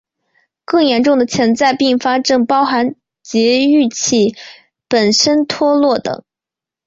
更严重的潜在并发症包含节育器本身脱落等。